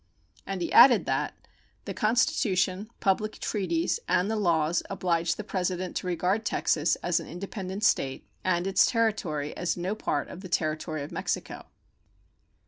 And he added that The Constitution, public treaties, and the laws oblige the President to regard Texas as an independent state, and its territory as no part of the territory of Mexico.